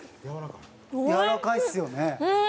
品川：やわらかいですよね。